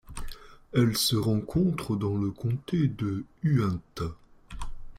Elle se rencontre dans le comté de Uintah.